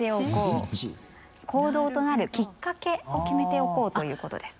行動となるきっかけを決めておこうということです。